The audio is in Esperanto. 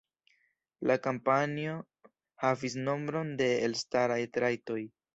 La kampanjo havis nombron de elstaraj trajtoj.